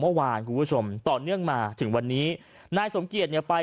เมื่อวานคุณผู้ชมต่อเนื่องมาถึงวันนี้นายสมเกียจเนี่ยไป